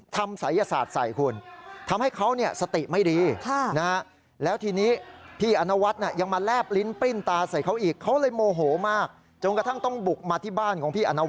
ทำศัยศาสตร์ใส่คุณ